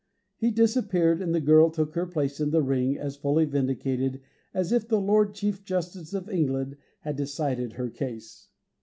He disappeared, and the girl took her place in the ring as fully vindicated as if the lord chief justice of England had decided her case.